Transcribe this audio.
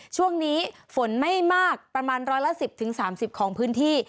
ช่วงนี้ฝนไม่มากประมาณร้อยละ๑๐๓๐ของพื้นที่